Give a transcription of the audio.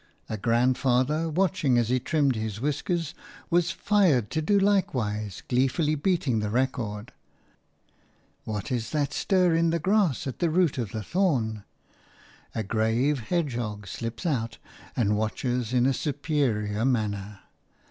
A grandfather, watching as he trimmed his whiskers, was fired to do likewise, gleefully beating the record. What is that stir in the grass at the root of the thorn? A grave hedgehog slips out and watches in a superior manner.